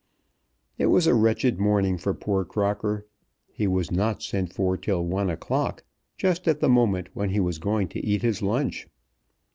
It was a wretched morning for poor Crocker. He was not sent for till one o'clock, just at the moment when he was going to eat his lunch!